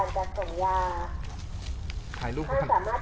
สวัสดีครับ